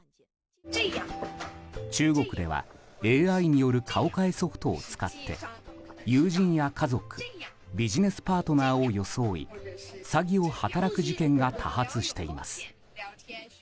中国ではＡＩによる顔替えソフトを使って友人や家族ビジネスパートナーを装い詐欺を働く事件が多発しています。